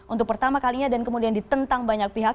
untuk pertama kalinya dan kemudian ditentang banyak pihak